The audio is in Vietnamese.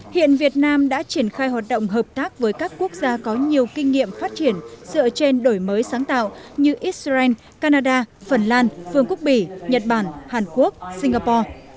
hiện việt nam đã triển khai hoạt động hợp tác với các quốc gia có nhiều kinh nghiệm phát triển dựa trên đổi mới sáng tạo như israel canada phần lan phương quốc bỉ nhật bản hàn quốc singapore